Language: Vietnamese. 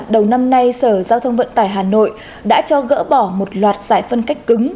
đầu năm nay sở giao thông vận tải hà nội đã cho gỡ bỏ một loạt giải phân cách cứng